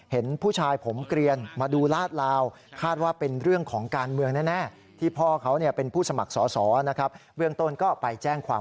โปรดติดตามตอนต่อไป